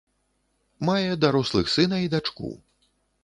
Мае дарослых сына і дачку.